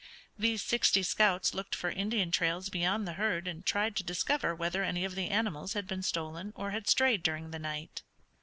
These sixty scouts looked for Indian trails beyond the herd and tried to discover whether any of the animals had been stolen or had strayed during the night.